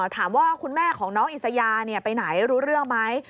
ถามว่าคุณแม่ของน้องอิสยาไปไหนรู้เรื่องไหม